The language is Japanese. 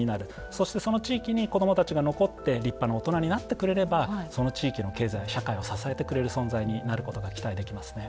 そしてその地域に子どもたちが残って立派な大人になってくれればその地域の経済や社会を支えてくれる存在になることが期待できますね。